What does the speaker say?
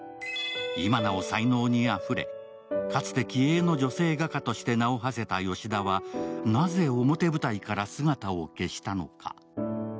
今なお才能にあふれ、かつて気鋭の女性画家として名をはせたヨシダはなぜ表舞台から姿を消したのか。